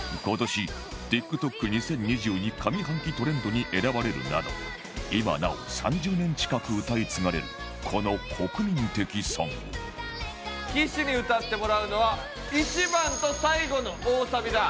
今年 ＴｉｋＴｏｋ２０２２ 上半期トレンドに選ばれるなど今なお３０年近く歌い継がれるこの国民的ソング岸に歌ってもらうのは１番と最後の大サビだ。